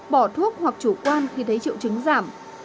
bỏ thuốc hoặc chủ quan khi thấy triệu chứng giảm